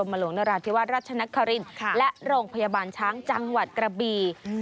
เหมือนราวนะได้พบหมอได้ดูแลสุขภาพเป็นประจำสถมารถเฒ่นมเมิระ